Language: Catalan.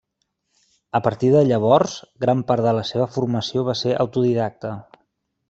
A partir de llavors gran part de la seva formació va ser autodidacta.